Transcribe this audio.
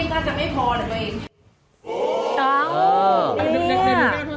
ไม่เพราะว่า๔๐๐ตังค์พี่ยังก็จะไม่พอเนี่ยตัวเอง